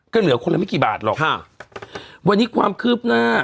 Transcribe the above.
ก็เหลือคนละไม่กี่บาทหรอกค่ะวันนี้ความคืบหน้า